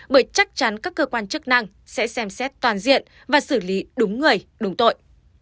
bởi chắc chắn các cơ quan chức năng sẽ xem xét toàn diện và xử lý đúng người đúng tội